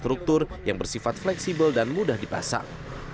struktur yang bersifat fleksibel dan mudah dipasang